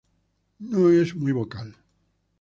No es muy vocal.